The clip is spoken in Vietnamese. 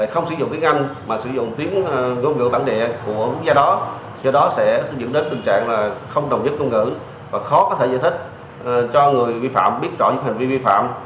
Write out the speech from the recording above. khó có thể giải thích cho người vi phạm biết rõ những hành vi vi phạm